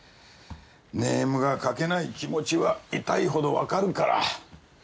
ネームがかけない気持ちは痛いほど分かるから。